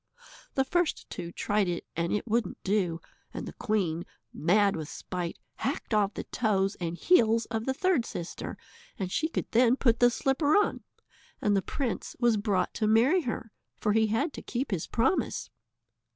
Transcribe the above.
The first two tried it and it wouldn't do, and the queen, mad with spite, hacked off the toes and heels of the third sister, and she could then put the slipper on, and the prince was brought to marry her, for he had to keep his promise.